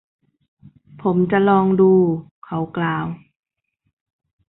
ผมจะลองดู เขากล่าว